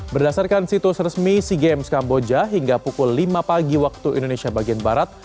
berdasarkan situs resmi sea games kamboja hingga pukul lima pagi waktu indonesia bagian barat